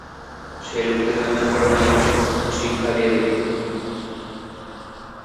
সেই লোকদের নামে আমরা রামিনকে শিক্ষা দেব।